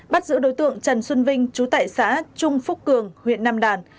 bắt giữ đối tượng trần xuân vinh chú tại xã trung phúc cường huyện nam đàn